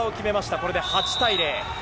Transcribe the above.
これで８対０。